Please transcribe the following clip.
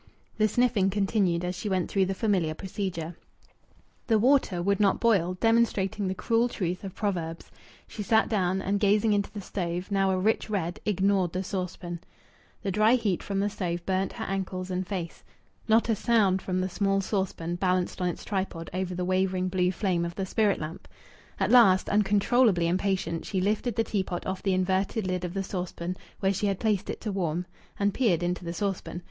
The sniffing continued, as she went through the familiar procedure. The water would not boil, demonstrating the cruel truth of proverbs. She sat down and, gazing into the stove, now a rich red, ignored the saucepan. The dry heat from the stove burnt her ankles and face. Not a sound from the small saucepan, balanced on its tripod over the wavering blue flame of the spirit lamp! At last, uncontrollably impatient, she lifted the teapot off the inverted lid of the saucepan, where she had placed it to warm, and peered into the saucepan.